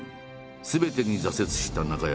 すべてに挫折した中山。